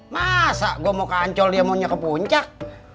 masa gue mau kancol dia maunya ke puncak